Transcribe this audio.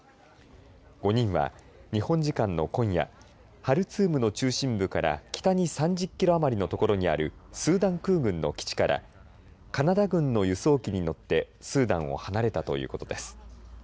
５人は日本時間の今夜ハルツームの中心部から北に３０キロあまりの所にあるスーダン空軍の基地からカナダ軍の輸送機に乗ってスーダンを離れたということです。